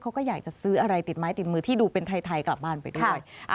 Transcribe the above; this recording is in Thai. เขาก็อยากจะซื้ออะไรติดไม้ติดมือที่ดูเป็นไทยกลับบ้านไปด้วย